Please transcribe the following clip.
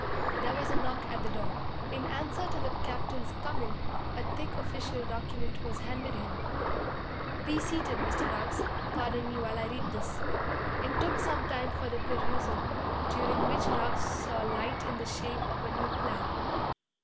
There was a knock at the door. In answer to the captain's 'Come in,' a thick official document was handed him. 'Be seated, Mr. Ruggs. Pardon me while I read this!' It took some time for the perusal, during which Ruggs saw light in the shape of a new plan.